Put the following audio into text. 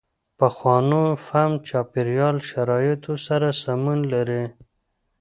پخوانو فهم چاپېریال شرایطو سره سمون لري.